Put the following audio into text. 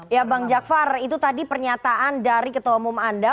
ya bang jakfar itu tadi pernyataan dari ketua umum anda